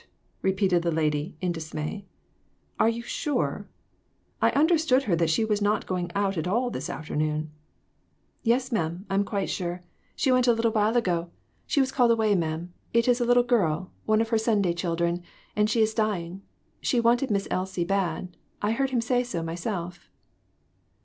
repeated the lady, in dismay. "Are you sure? I understood her that she was not going out at all this afternoon." "Yes, ma'am, I am quite sure; she went a 368 COMPLICATIONS. little while ago. She was called away, ma'am ; it is a little girl one of her Sunday children and she is dying ; she wanted Miss Elsie bad ; I heard him say so myself."